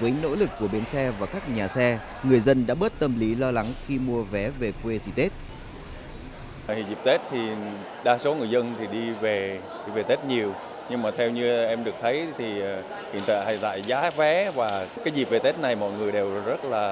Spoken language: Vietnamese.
với nỗ lực của bến xe và các nhà xe người dân đã bớt tâm lý lo lắng khi mua vé về quê dịp tết